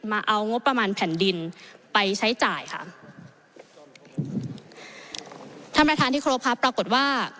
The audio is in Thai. มาเอางบประมาณแผ่นดินไปใช้จ่ายค่ะท่านประธานที่ครบครับปรากฏว่า